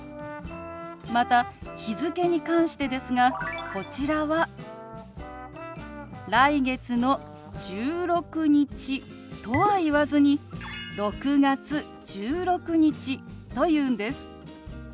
また日付に関してですがこちらは「来月の１６日」とは言わずに「６月１６日」と言うんです。